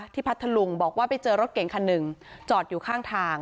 พัทธลุงบอกว่าไปเจอรถเก่งคันหนึ่งจอดอยู่ข้างทาง